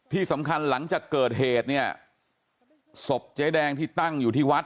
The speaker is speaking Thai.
ที่สำคัญหลังจากเกิดเหตุเนี่ยศพเจ๊แดงที่ตั้งอยู่ที่วัด